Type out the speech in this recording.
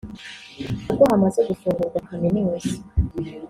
kuko hamaze gufungurwa kaminuza